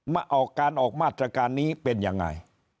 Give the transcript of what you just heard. มาออกการออกมาตรการนี้เป็นยังไง